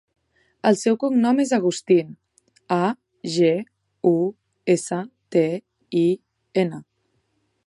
El seu cognom és Agustin: a, ge, u, essa, te, i, ena.